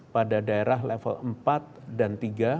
pada daerah level empat dan tiga